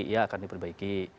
ya akan diperbaiki